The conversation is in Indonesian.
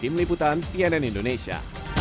tim liputan cnn indonesia